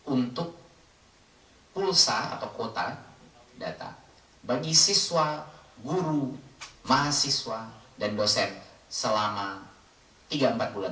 untuk pulsa atau kuota data bagi siswa guru mahasiswa dan dosen selama tiga empat bulan